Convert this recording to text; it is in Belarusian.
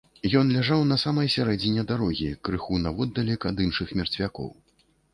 Ён ляжаў на самай сярэдзіне дарогі, крыху наводдалек ад іншых мерцвякоў.